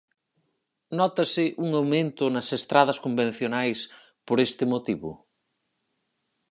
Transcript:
Nótase un aumento nas estradas convencionais por este motivo?